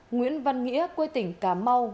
nguyễn văn nghĩa quê tỉnh cà mau